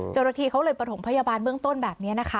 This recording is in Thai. เจ้าหน้าที่เขาเลยประถมพยาบาลเบื้องต้นแบบนี้นะคะ